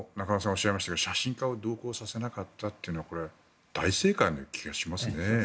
おっしゃいましたけど写真家を同行させなかったというのは大正解な気がしますよね。